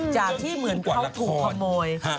จากที่เหมือนเขาถูกขโมย